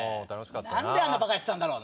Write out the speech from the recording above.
何であんなバカやったんだろ？